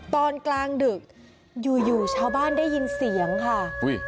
ตอนกลางดึกอยู่ชาวบ้านได้ยินเสียงค่ะ